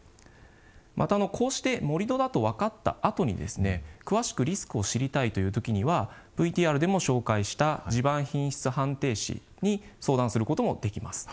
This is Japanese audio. またこうして盛土だと分かったあとにですね詳しくリスクを知りたいというときにはＶＴＲでも紹介した地盤品質判定士に相談することもできます。